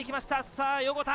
さぁ横田！